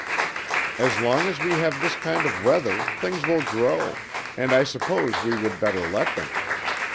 As long as we have this kind of weather things will grow, and I suppose we would better let them.